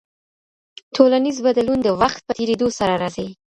ټولنیز بدلون د وخت په تیریدو سره راځي.